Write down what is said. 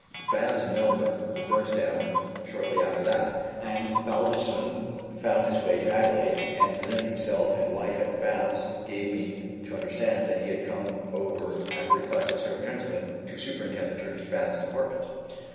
The baths in Melbourne were burnt down shortly after that, and Baldiston found his way to Adelaide, and presenting himself and wife at the baths, gave me to understand that he had come over at the request of several gentlemen to superintend the Turkish Baths' department.